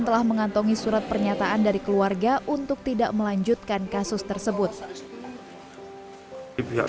telah mengantongi surat pernyataan dari keluarga untuk tidak melanjutkan kasus tersebut di pihak